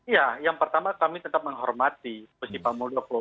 ya yang pertama kami tetap menghormati posisi pak muldoko